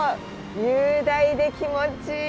雄大で気持ちいい！